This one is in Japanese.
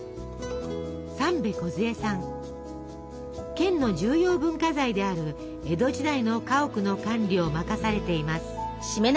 県の重要文化財である江戸時代の家屋の管理を任されています。